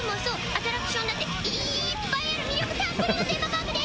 アトラクションだっていっぱいある魅力たっぷりのテーマパークです。